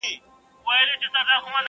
که هر څو مي درته ډېري زارۍ وکړې,